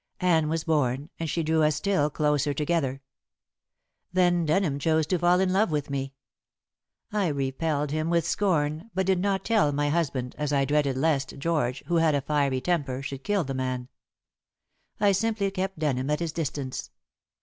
Anne was born, and she drew us still closer together. Then Denham chose to fall in love with me. I repelled him with scorn, but did not tell my husband, as I dreaded lest George, who had a fiery temper, should kill the man. I simply kept Denham at his distance.